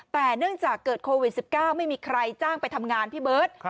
แต่เนื่องจากเกิดโควิด๑๙ไม่มีใครจ้างไปทำงานพี่เบิร์ต